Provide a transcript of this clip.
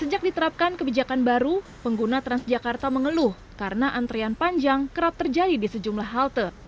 sejak diterapkan kebijakan baru pengguna transjakarta mengeluh karena antrian panjang kerap terjadi di sejumlah halte